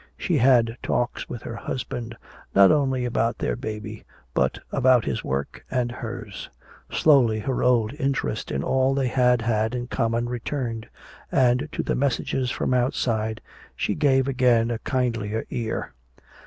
She had talks with her husband, not only about their baby but about his work and hers. Slowly her old interest in all they had had in common returned, and to the messages from outside she gave again a kindlier ear.